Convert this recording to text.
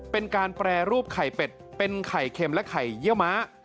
เป็นการแปรรูปไข่เป็ดเป็นไข่เค็มและไข่เยี่ยวม้า